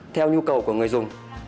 theo nhu cầu của người dùng